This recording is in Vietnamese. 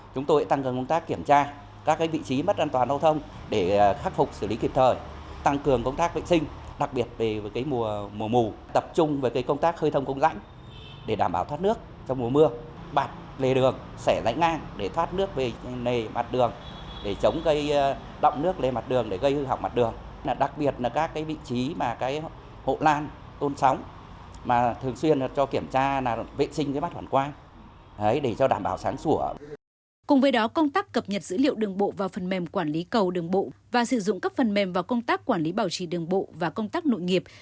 công tác cập nhật dữ liệu đường bộ và phần mềm quản lý cầu đường bộ và sử dụng các phần mềm và công tác quản lý bảo trì đường bộ và công tác nội nghiệp